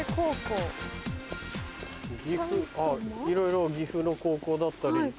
いろいろ岐阜の高校だったり。